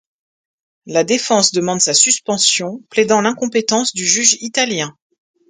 La défense demande sa suspension plaidant l'incompétence du juge italien.